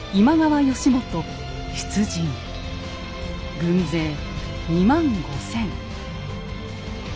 軍勢２万５，０００。